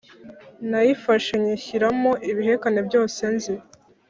Nayifashe nyinshyiramo ibihekane byose nzi